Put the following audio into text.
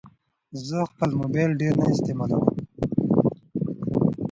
زه خپل موبایل ډېر نه استعمالوم.